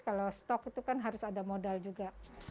kalau stok itu kan harus ada modal juga